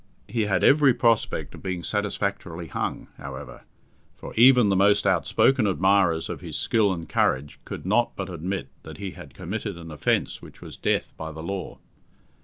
He had every prospect of being satisfactorily hung, however, for even the most outspoken admirers of his skill and courage could not but admit that he had committed an offence which was death by the law.